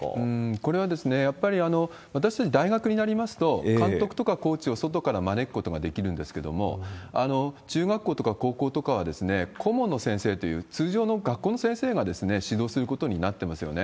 これはですね、やっぱり私たち大学になりますと、監督とかコーチを外から招くことができるんですけれども、中学校とか高校とかは顧問の先生という、通常の学校の先生が指導することになっていますよね。